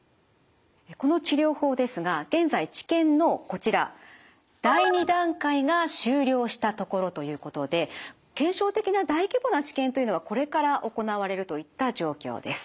この治療法ですが現在治験のこちら第２段階が終了したところということで検証的な大規模な治験というのはこれから行われるといった状況です。